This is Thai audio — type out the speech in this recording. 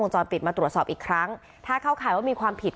จรปิดมาตรวจสอบอีกครั้งถ้าเข้าข่ายว่ามีความผิด